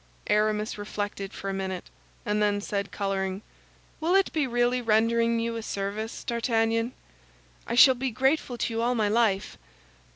Aramis reflected for a minute, and then said, coloring, "Will it be really rendering you a service, D'Artagnan?" "I shall be grateful to you all my life."